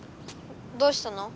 ⁉どうしたの？